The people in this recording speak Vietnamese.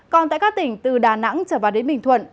còn tại các tỉnh từ đà nẵng trở vào đến bình thuận